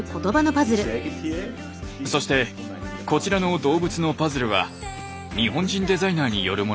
そしてこちらの動物のパズルは日本人デザイナーによるモノです。